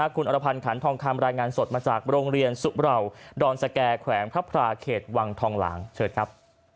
คุณอรพันธ์ขันทองคำรายงานสดมาจากโรงเรียนสุเหล่าดอนสแก่แขวงพระพราเขตวังทองหลางเชิญครับ